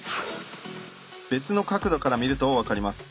別の角度から見ると分かります。